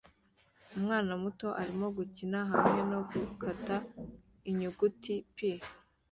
Umwana muto arimo gukina hamwe no gukata inyuguti "P"